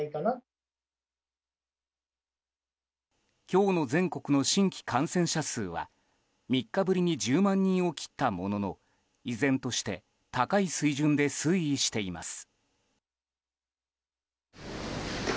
今日の全国の新規感染者数は３日ぶりに１０万人を切ったものの依然として高い水準で推移しています。